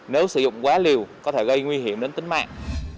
nếu sử dụng quá liều có thể gây nguy hiểm đến tính mạng